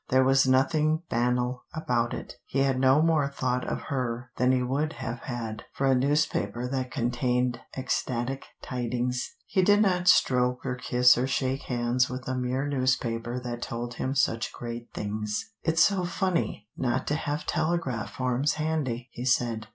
There was nothing banal about it. He had no more thought of her than he would have had for a newspaper that contained ecstatic tidings. He did not stroke or kiss or shake hands with a mere newspaper that told him such great things. "It's so funny not to have telegraph forms handy," he said.